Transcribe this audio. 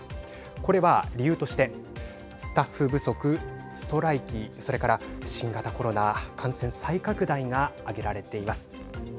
これは理由としてスタッフ不足、ストライキそれから新型コロナ感染再拡大が挙げられています。